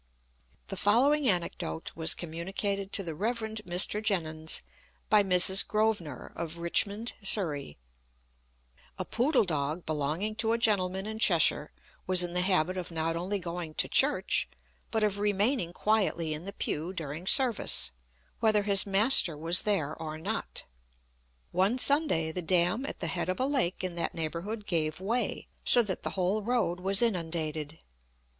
The following anecdote was communicated to the Rev. Mr. Jenyns by Mrs. Grosvenor, of Richmond, Surrey: A poodle dog belonging to a gentleman in Cheshire was in the habit of not only going to church, but of remaining quietly in the pew during service, whether his master was there or not. One Sunday the dam at the head of a lake in that neighbourhood gave way, so that the whole road was inundated.